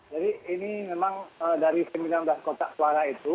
jadi ini memang dari sembilan belas kotak suara itu